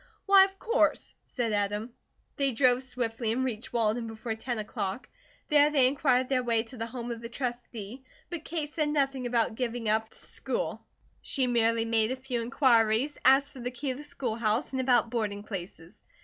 "Why, of course!" said Adam. They drove swiftly and reached Walden before ten o'clock. There they inquired their way to the home of the Trustee, but Kate said nothing about giving up the school. She merely made a few inquiries, asked for the key of the schoolhouse, and about boarding places.